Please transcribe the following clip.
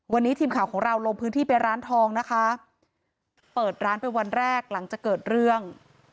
วันนี้ทีมข่าวของเราลงพื้นที่ไปร้านทองนะคะเปิดร้านไปวันแรกหลังจากเกิดเรื่อง